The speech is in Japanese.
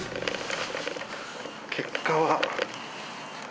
結果は。